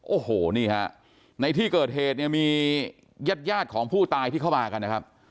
โอ้โหนี่ฮะในที่เกิดเหตุเนี่ยมีญาติยาดของผู้ตายที่เข้ามากันนะครับ